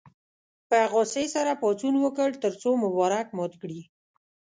په غوسې سره پاڅون وکړ تر څو مبارک مات کړي.